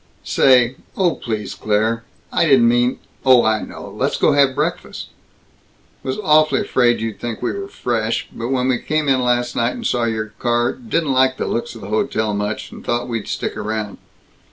"Say, oh please, Claire I didn't mean " "Oh, I know! Let's let's go have breakfast." "Was awfully afraid you'd think we were fresh, but when we came in last night, and saw your car didn't like the looks of the hotel much, and thought we'd stick around."